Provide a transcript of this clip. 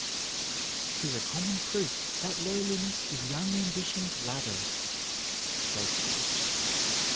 'Tis a common proof, That lowliness is young ambition's ladder! SHAKESPEARE.